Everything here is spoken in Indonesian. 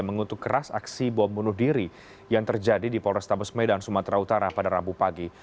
mengutuk keras aksi bom bunuh diri yang terjadi di polrestabes medan sumatera utara pada rabu pagi